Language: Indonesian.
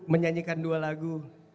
menyanyikan dua lagu